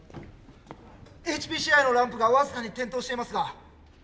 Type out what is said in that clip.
ＨＰＣＩのランプが僅かに点灯していますが。